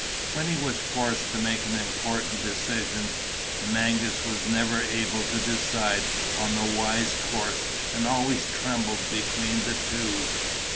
When he was forced to make an important decision, Mangas was never able to decide on the wise course and always trembled between the two.